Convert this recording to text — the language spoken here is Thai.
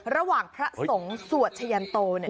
ระหว่างพระสงส์สวดชยันโต